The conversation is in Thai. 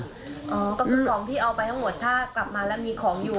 ก็คือกล่องที่เอาไปทั้งหมดถ้ากลับมาแล้วมีของอยู่